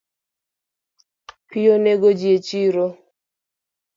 Pi onego ji echiro